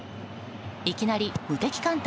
いきなり無敵艦隊